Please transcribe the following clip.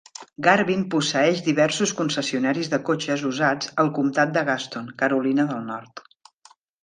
Garvin posseeix diversos concessionaris de cotxes usats al Comtat de Gaston, Carolina del Nord.